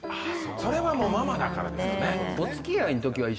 それはもうママだからですよね。